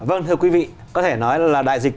vâng thưa quý vị có thể nói là đại dịch